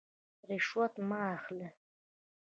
رشوت مه اخلئ